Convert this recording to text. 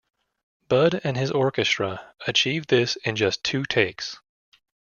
Budd and his orchestra achieved this in just two takes.